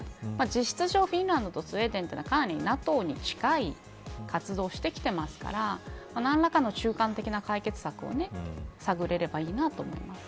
事実上フィンランドなどスウェーデンはかなりＮＡＴＯに近い活動をしてきてますから何らかの中間的な解決策を探れればいいと思います。